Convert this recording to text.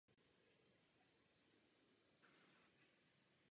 Podle legend pokřtil Metoděj o něco později rovněž Ludmilu v Čechách.